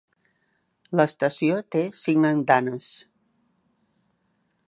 L'estació té cinc andanes.